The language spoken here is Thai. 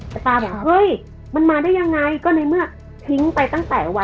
แต่ตาบอกเฮ้ยมันมาได้ยังไงก็ในเมื่อทิ้งไปตั้งแต่วัน